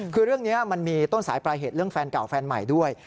คือเรื่องนี้มันมีต้นสายปลายเหตุเรื่องแฟนเก่าแฟนใหม่ด้วย